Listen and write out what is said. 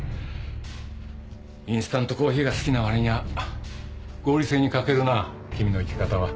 インスタントコーヒーが好きなわりには合理性に欠けるな君の生き方は。